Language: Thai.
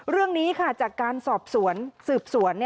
เรื่องนี้จากการสอบสวนสืบสวน